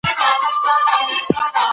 موږ د نورو هېوادونو قلمرو ته سترګې نه اړوو.